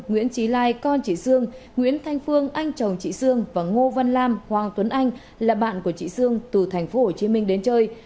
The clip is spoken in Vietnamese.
nguyễn trí lai con chị sương nguyễn thanh phương anh chồng chị sương và ngô văn lam hoàng tuấn anh là bạn của chị sương từ tp hcm đến chơi